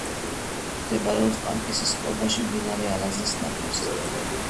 მდებარეობს პანკისის ხეობაში, მდინარე ალაზნის ნაპირზე.